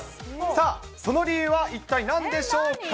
さあ、その理由は一体なんでしょうか？